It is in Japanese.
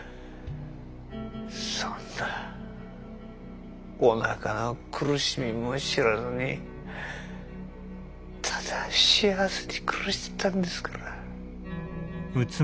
そんなおなかの苦しみも知らずにただ幸せに暮らしてたんですから。